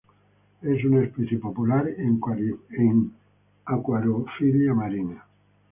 Es una especie popular en acuariofilia marina.